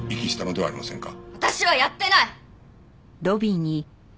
私はやってない！